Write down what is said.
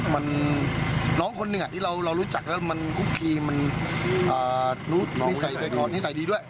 มันน้องคนหนึ่งอ่ะที่เรารู้จักแล้วมันคุกกีรมันนิสัยตัวครอศิลป์มันนิสัยดีด้วย